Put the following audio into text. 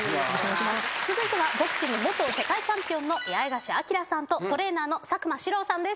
続いてはボクシング元世界チャンピオンの八重樫東さんとトレーナーの佐久間史朗さんです。